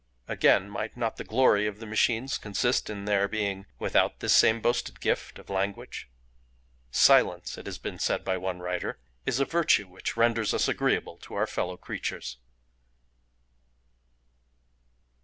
"Again, might not the glory of the machines consist in their being without this same boasted gift of language? 'Silence,' it has been said by one writer, 'is a virtue which renders us agreeable to our fellow creatures.